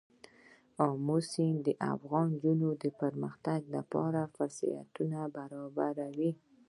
آمو سیند د افغان نجونو د پرمختګ لپاره فرصتونه برابروي.